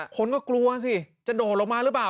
คนก็กลัวสิจะโดดลงมาหรือเปล่า